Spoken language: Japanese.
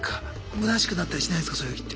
むなしくなったりしないんすかそういう日って。